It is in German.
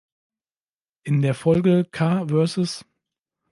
In der Folge "Car vs.